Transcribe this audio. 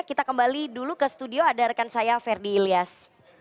kita kembali dulu ke studio ada rekan saya ferdi ilyas